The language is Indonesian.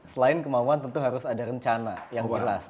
selain kemauan tentu harus ada rencana yang jelas